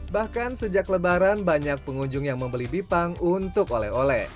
bahkan sejak lebaran banyak pengunjung yang membeli bipang untuk oleh oleh